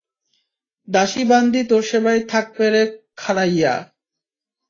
দাসী বান্দী তোর সেবায় থাকপে রে খারাইয়া।